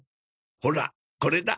ほらこれだ！